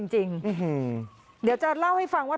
อันนี้ปัญหาดีปัญหามันหลาย